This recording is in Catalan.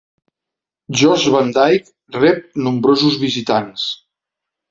Jost Van Dyke rep nombrosos visitants.